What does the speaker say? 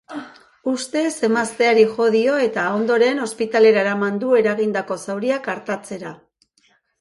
Ustez emazteari jo dio eta ondoren ospitalera eraman du eragindako zauriak artatzera.